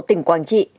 tỉnh quảng trị